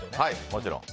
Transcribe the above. もちろん。